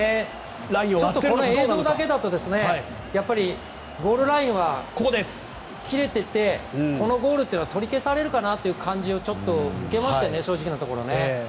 映像だけだとゴールラインは切れていて、このゴールは取り消されるかなという感じを受けましたよね、正直なところ。